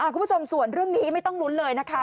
คุณผู้ชมส่วนเรื่องนี้ไม่ต้องลุ้นเลยนะคะ